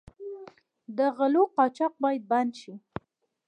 د غلو قاچاق باید بند شي.